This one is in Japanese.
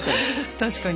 確かに。